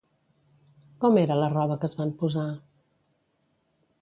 Com era la roba que es van posar?